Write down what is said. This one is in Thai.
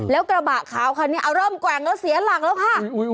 แล้วกระบะขาวคันนี้เอาเริ่มแกว่งแล้วเสียหลักแล้วค่ะ